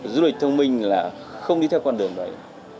du lịch thông minh là không đi theo con đường đấy